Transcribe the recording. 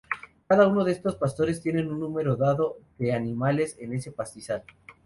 Cada uno de esos pastores tiene un número dado de animales en ese pastizal.